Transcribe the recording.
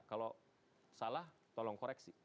kalau salah tolong koreksi